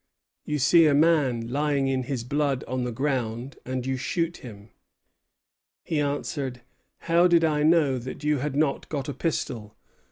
You see a man lying in his blood on the ground, and you shoot him!' He answered: 'How did I know that you had not got a pistol?